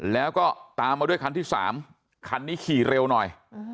แล้วก็ตามมาด้วยคันที่๓คันนี้ขี่เร็วหน่อย